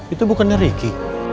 itu bukannya ricky